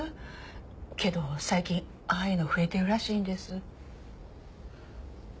けど最近ああいうの増えてるらしいんです。